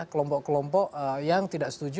kelompok kelompok yang tidak setuju